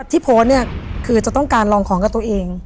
ที่โพสต์เนี่ยคือจะต้องการลองของกับตัวเอง